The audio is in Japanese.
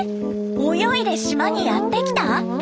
泳いで島にやってきた！？